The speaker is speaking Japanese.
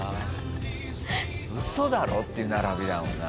嘘だろ？っていう並びだもんな。